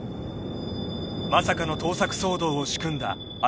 ［まさかの盗作騒動を仕組んだ］